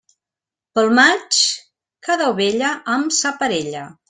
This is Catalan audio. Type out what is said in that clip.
Pel maig, cada ovella amb sa parella.